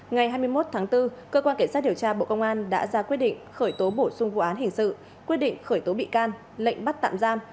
ngày hai mươi một tháng bốn cơ quan cảnh sát điều tra bộ công an đã ra quyết định khởi tố bổ sung vụ án hình sự quyết định khởi tố bị can lệnh bắt tạm giam